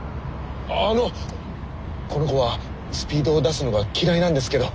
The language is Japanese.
あのこの子はスピードを出すのが嫌いなんですけど。